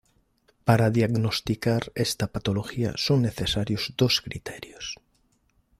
Para diagnosticar esta patología son necesarios dos criterios.